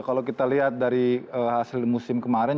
kalau kita lihat dari hasil musim kemarin